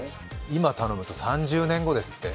今、頼むと３０年後ですって。